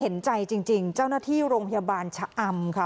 เห็นใจจริงเจ้าหน้าที่โรงพยาบาลชะอำค่ะ